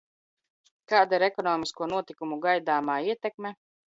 Kāda ir ekonomisko notikumu gaidāmā ietekme?